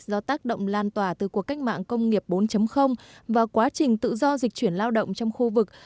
do tác động lan tỏa từ cuộc cách mạng công nghiệp bốn và quá trình tự do dịch chuyển lao động trong khu vực